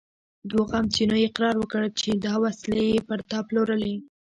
په دوو قمچينو يې اقرار وکړ چې دا وسلې يې پر تا پلورلې!